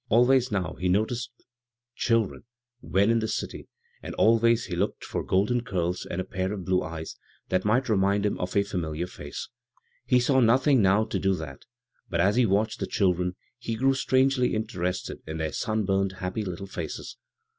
Always now he noticed chil dren when in the city, and always he looked for golden curls and a [>air of blue eyes that might remind him of a feimiliar feice. He 163 b, Google CROSS CURRENTS saw nothing now to do that, but as he watched the children he grew strangdy inter ested in their sunburned, happy little faces.